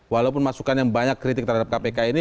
walaupun masukan yang banyak kritik terhadap kpk ini